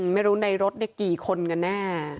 ไม่รู้ในรถกี่คนกันแน่